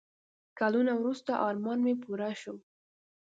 کلونه وروسته ارمان مې پوره شو.